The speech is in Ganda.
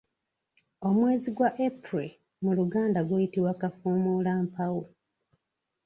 Omwezi gwa April mu luganda guyitibwa Kafuumuulampawu.